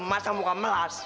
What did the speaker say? masa muka melas